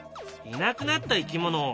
いなくなった生き物